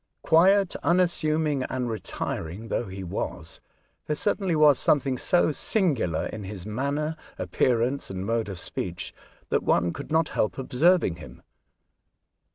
Quiet, unassuming, and retiring though he was, there certainly was something so singular in his manner, appearance, and mode of speech, that one could not help observing him.